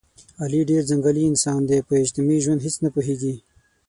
علي ډېر ځنګلي انسان دی، په اجتماعي ژوند هېڅ نه پوهېږي.